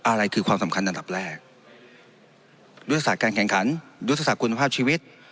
อะไรคือความสำคัญอันดับแรกยุทธศาสตร์การแข่งขันยุทธศาสตร์คุณภาพชีวิต